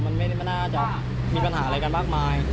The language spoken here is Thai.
มันไม่น่าจะมีปัญหาอะไรกันมากมาย